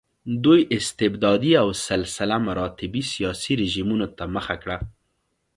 دوی استبدادي او سلسله مراتبي سیاسي رژیمونو ته مخه کړه.